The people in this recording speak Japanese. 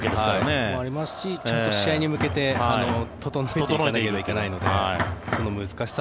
それもありますしちゃんと試合に向けて整えていかなければいけないので。